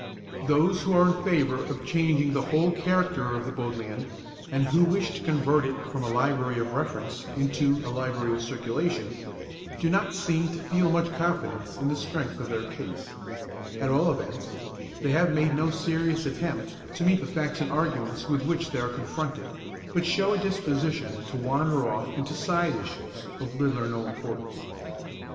Those who are in favour of changing the whole character of the Bodleian, and who wish to convert it from a library of reference into a library of circulation, do not seem to feel much confidence in the strength of their case; at all events, they have made no serious attempt to meet the facts and arguments with which they are confronted, but show a disposition to wander off into side issues of little or no importance.